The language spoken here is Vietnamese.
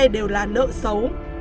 đều là nợ xấu